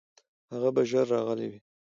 هغه به ژر راغلی وي.